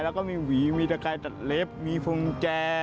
แล้วก็มีหวีมีตะกายตัดเล็บมีฟุงแจ